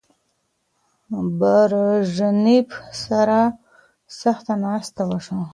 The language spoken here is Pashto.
برژنیف سره سخته ناسته وشوه.